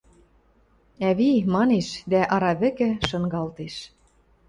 – Ӓви, – манеш дӓ ара вӹкӹ шынгалтеш.